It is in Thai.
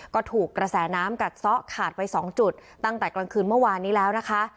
ก็ถูกกระแสน้ำกัดซ้อขาดไปสองจุดตั้งแต่กลางคืนเมื่อวานนี้แล้วนะคะ